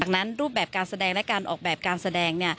ดังนั้นรูปแบบการแสดงและการออกแบบการแสดง